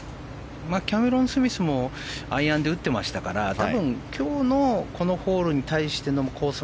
キャメロン・スミスもアイアンで打ってましたから今日のこのホールに対してのコース